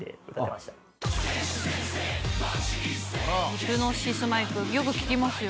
「『ヒプノシスマイク』よく聞きますよ」